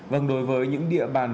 vâng đối với những địa bàn